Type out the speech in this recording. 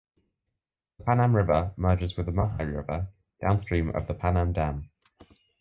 The Panam river merges with the Mahi river downstream of the Panam Dam.